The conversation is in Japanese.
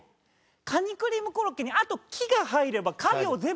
カニクリームコロッケにあと「キ」が入ればカ行全部制覇。